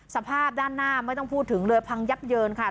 สภาพด้านหน้าไม่ต้องพูดถึงเลยพังยับเยินค่ะ